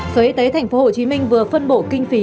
sở y tế tp hcm vừa phân bổ kinh phí